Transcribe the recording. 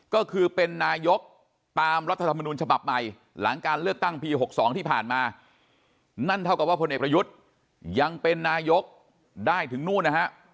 ก็คือเป็นนายกตามรัฐธรรมนุนฉบับใหม่หลังการเลือกตั้งปี๖๒ที่ผ่านมานั่นเท่ากับว่าพลเอกประยุทธ์ยังเป็นนายกได้ถึงนู่นนะฮะ